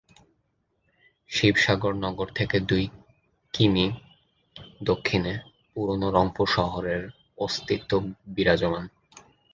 শিবসাগর নগর থেকে দুই কি; মি দক্ষিণে পুরানো রংপুর শহরের অস্তিত্ব বিরাজমান।